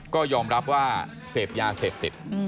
ก็ยอมรับว่าเสพยาเสพติด